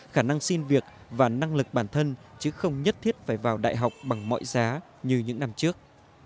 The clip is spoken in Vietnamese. khả năng xin việc và năng lực bản thân chứ không nhất thiết phải vào đại học bằng mọi giá như những năm trước